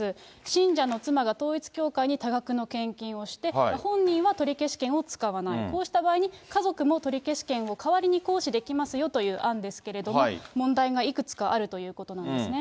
信者の妻が統一教会に多額の献金をして、本人は取消権を使わない、こうした場合に、家族も取消権を代わりに行使できますよという案ですけれども、問題がいくつかあるということなんですね。